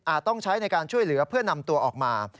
ต้องใช้ในการช่วยเหลือเพื่อนำตัวออกมา